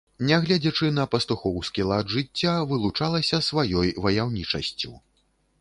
Нягледзячы на пастухоўскі лад жыцця, вылучалася сваёй ваяўнічасцю.